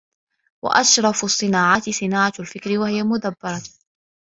وَأَشْرَفُ الصِّنَاعَاتِ صِنَاعَةُ الْفِكْرِ وَهِيَ مُدَبِّرَةٌ